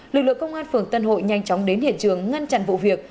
lực lượng công an phường tân hội nhanh chóng đến hiện trường ngăn chặn vụ việc